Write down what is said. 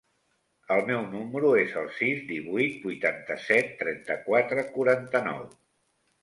El meu número es el sis, divuit, vuitanta-set, trenta-quatre, quaranta-nou.